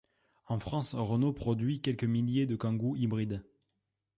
En France, Renault produit quelques milliers de Kangoo hybrides.